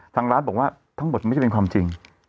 ทางร้านบอกว่าทั้งหมดไม่ใช่เป็นความจริง